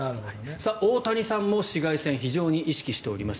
大谷さんも紫外線非常に意識しております。